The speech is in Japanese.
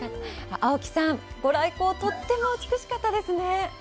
青木さん、ご来光、とっても美しかったですね。